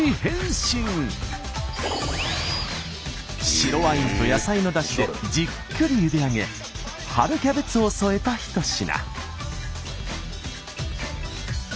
白ワインと野菜のだしでじっくりゆであげ春キャベツを添えた一品。